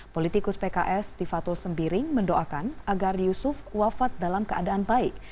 politikus pks tifatul sembiring mendoakan agar yusuf wafat dalam keadaan baik